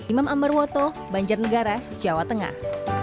imam amarwoto banjar negara jawa tengah